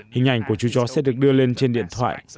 hình ảnh của chú chó sẽ được đưa lên trên điện thoại